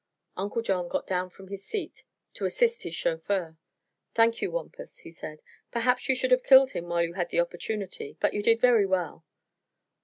Uncle John got down from his seat to assist his chauffeur. "Thank you, Wampus," he said. "Perhaps you should have killed him while you had the opportunity; but you did very well."